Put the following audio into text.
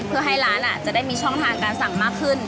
เพื่อให้ร้านจะได้มีช่องทางการสั่งมากขึ้น